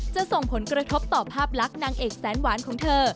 ส่งผลกระทบต่อภาพลักษณ์นางเอกแสนหวานของเธอ